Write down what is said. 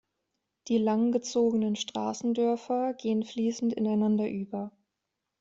Die lang gezogenen Straßendörfer gehen fließend ineinander über.